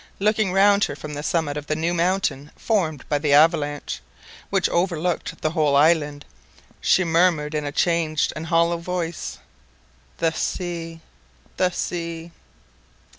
Looking round her from the summit of the new mountain formed by the avalanche, which overlooked the whole island, she murmured in a changed and hollow voice—— "The sea! the sea!"